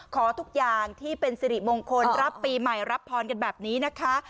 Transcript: ขอทุกอย่างที่เป็นสิริมงคลรับปีใหม่รับพรกันแบบนี้นะคะ